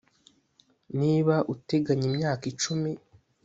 niba uteganya imyaka icumi